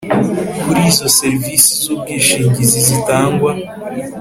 kuri izo serivisi z ubwishingizi zitangwa